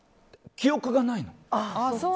記憶がないの。